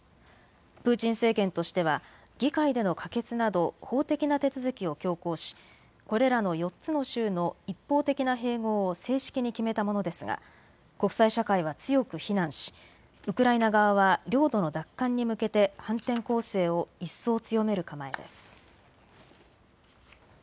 プーチン政権としては議会での可決など法的な手続きを強行しこれらの４つの州の一方的な併合を正式に決めたものですが国際社会は強く非難しウクライナ側は領土の奪還に向けて反転攻勢を一層強める構えです。